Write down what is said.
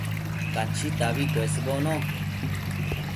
Cachitabi cuesbono